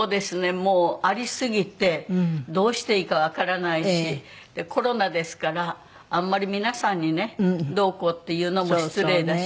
もうありすぎてどうしていいかわからないしコロナですからあんまり皆さんにねどうこうっていうのも失礼だし。